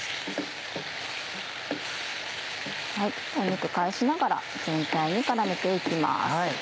肉返しながら全体に絡めて行きます。